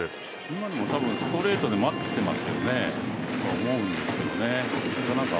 今のも多分ストレートで待ってますけどねと思うんですけどね。